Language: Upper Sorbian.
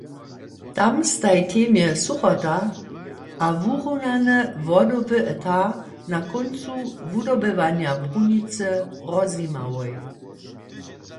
Tam staj temje suchota a wurunany wodowy etat na kóncu wudobywanja brunicy rozjimałoj.